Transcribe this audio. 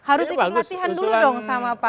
harus ikut latihan dulu dong sama pak